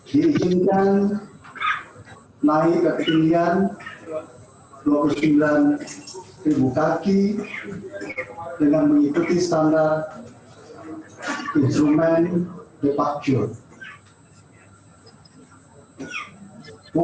diizinkan naik ke ketinggian dua puluh sembilan kaki dengan mengikuti standar instrument depak juga